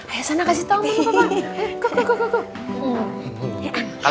ayah sana kasih tau oma sama papa